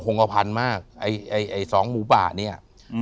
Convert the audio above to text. โครงกระพันธุ์มากไอ้ไอ้ไอ้สองหมูป่าเนี้ยอืม